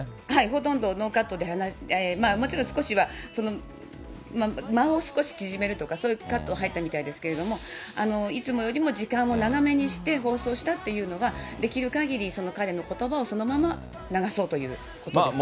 ほとんどノーカットで、もちろん少しは、間を縮めるとか、そういうカットは入ったみたいですけれども、いつもよりも時間を長めにして放送したっていうのは、できるかぎり彼のことばをそのまま流そうということですね。